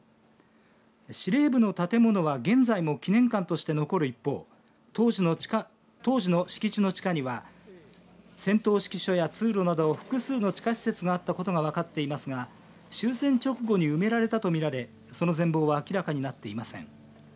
司令部の建物は現在も記念館として残る一方、当時の敷地の地下には戦闘指揮所や通路など複数の地下施設があったことが分かっていますが終戦直後に埋められたと見られその全貌は明らかになっていません。